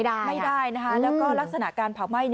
แล้วก็ลักษณะการเผาไหม้